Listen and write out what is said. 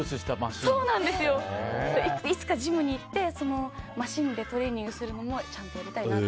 いつかジムに行ってマシンでトレーニングするのもちゃんとやりたいなと。